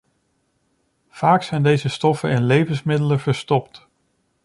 Vaak zijn deze stoffen in levensmiddelen verstopt.